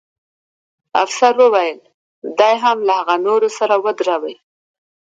ځمکنی شکل د افغانستان د ښاري پراختیا یو لوی سبب کېږي.